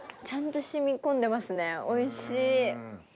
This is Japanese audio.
ちゃんと染み込んでますねおいしい。